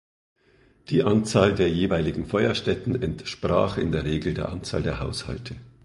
Die Anzahl der jeweiligen Feuerstätten entsprach in der Regel der Anzahl der Haushalte.